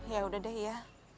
yaudah deh ya